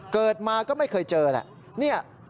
เกิดมาก็ไม่เคยเจอแหละ